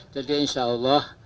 jadi insya allah